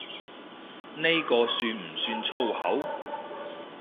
呢個算唔算粗口？